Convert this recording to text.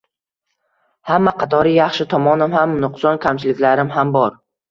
Hamma qatori yaxshi tomonim ham, nuqson-kamchiliklarim ham bor.